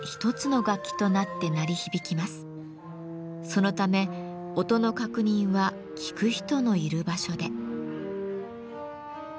そのため音の確認は聴く人のいる場所で。